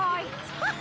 あっ。